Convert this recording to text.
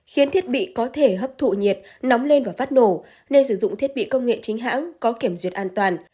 khiến thiết bị có thể hấp thụ nhiệt nóng lên và phát nổ nên sử dụng thiết bị công nghệ chính hãng có kiểm duyệt an toàn